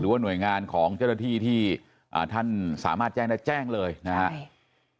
ว่าหน่วยงานของเจ้าหน้าที่ที่ท่านสามารถแจ้งได้แจ้งเลยนะครับ